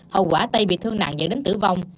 hậu quả tây bị thương nặng dẫn đến tử vong